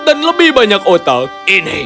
dan sepertinya kita memiliki kaki yang lebih kuat